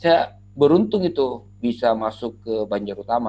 saya beruntung itu bisa masuk ke banjar utama